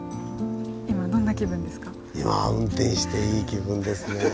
今運転していい気分ですねぇ。